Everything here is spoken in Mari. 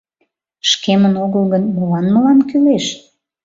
Шкемын огыл гын, молан мылам кӱлеш.